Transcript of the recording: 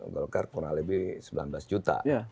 golkar kurang lebih sembilan belas juta